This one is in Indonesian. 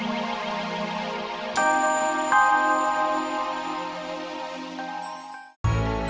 bck kita nyus dah tante